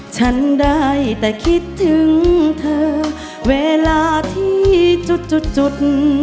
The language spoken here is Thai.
ฉันได้แต่คิดถึงเธอเวลาที่จุด